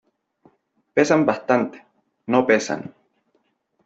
pesan bastante . no pesan .